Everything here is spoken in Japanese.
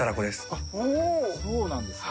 そうなんですね。